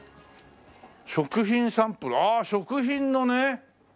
「食品サンプル」ああ食品のね。